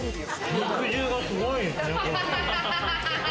肉汁がすごいですね。